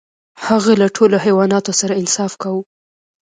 هغه له ټولو حیواناتو سره انصاف کاوه.